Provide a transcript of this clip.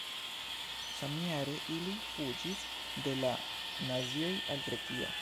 Samjare ili fuĝis de la nazioj al Grekio.